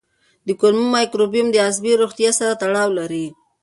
د کولمو مایکروبیوم د عصبي روغتیا سره تړاو لري.